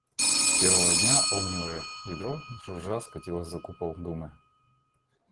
Первого дня огневое ядро жужжа скатилось за купол Думы.